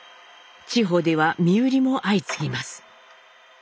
地方では身売りも相次ぎます。